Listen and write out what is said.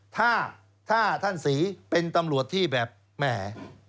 ถ้าท่านศรีเป็นตำรวจที่แบบแหม